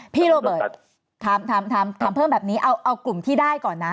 โรเบิร์ตถามเพิ่มแบบนี้เอากลุ่มที่ได้ก่อนนะ